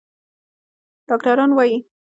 ډاکتران وايي